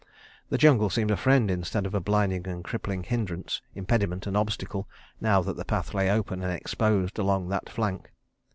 The jungle seemed a friend instead of a blinding and crippling hindrance, impediment, and obstacle, now that the path lay open and exposed along that flank.